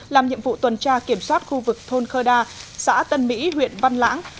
làm nhiệm vụ tuần tra kiểm soát khu vực thôn khơ đa xã tân mỹ huyện văn lãng